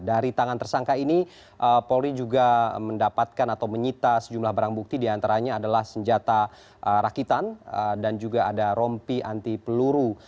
dari tangan tersangka ini polri juga mendapatkan atau menyita sejumlah barang bukti diantaranya adalah senjata rakitan dan juga ada rompi anti peluru